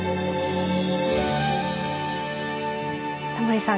タモリさん